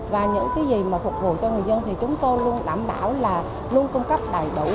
và những cái gì mà phục vụ cho người dân thì chúng tôi luôn đảm bảo là luôn cung cấp đầy đủ